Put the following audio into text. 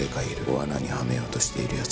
罠にはめようとしているやつ。